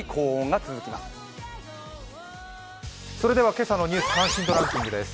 今日の「ニュース関心度ランキング」です